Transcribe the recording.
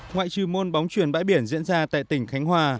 ngoại trừ môn bóng truyền bãi biển diễn ra tại tỉnh khánh hòa